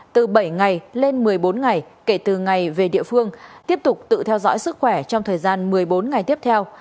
từ bảy ngày lên một mươi bốn ngày kể từ ngày về địa phương tiếp tục tự theo dõi sức khỏe trong thời gian một mươi bốn ngày tiếp theo